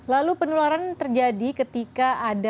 lalu penularan terjadi ketika ada